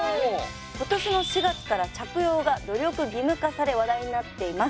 今年の４月から着用が努力義務化され話題になっています。